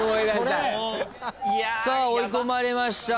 さあ追い込まれました